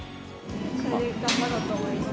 これで頑張ろうと思います。